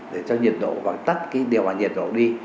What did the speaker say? để cho nhiệt độ và tắt điều hòa nhiệt độ đi